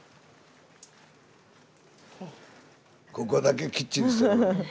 ここだけきっちりする。